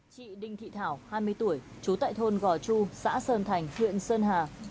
chị đinh thị thảo hai mươi tuổi trú tại thôn gò chu xã sơn thành huyện sơn hà